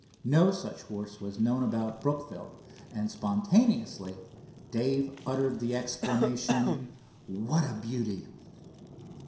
No such horse was known about Brookville, and spontaneously Dave uttered the exclamation: "What a beauty!"